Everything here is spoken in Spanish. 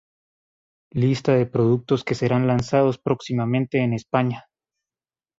Lista de productos que serán lanzados próximamente en España.